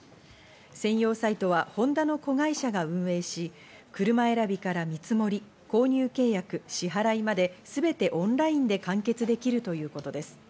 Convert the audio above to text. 専用サイトはホンダの子会社が運営し、車選びから見積もり、購入契約、支払いまで全てオンラインで完結できるということです。